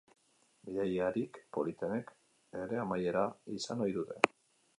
Bidaiarik politenek ere amaiera izan ohi dute.